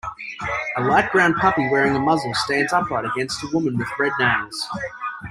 A light brown puppy wearing a muzzle stands upright against a woman with red nails.